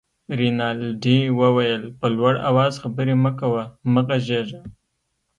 رینالډي وویل: په لوړ آواز خبرې مه کوه، مه غږېږه.